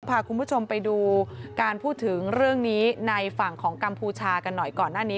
พาคุณผู้ชมไปดูการพูดถึงเรื่องนี้ในฝั่งของกัมพูชากันหน่อยก่อนหน้านี้